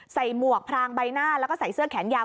หมวกพรางใบหน้าแล้วก็ใส่เสื้อแขนยาว